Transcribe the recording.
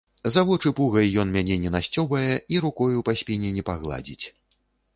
За вочы пугай ён мяне не насцёбае і рукою па спіне не пагладзіць.